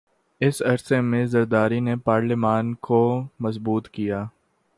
س عرصے میں زرداری نے پارلیمان کو مضبوط کیا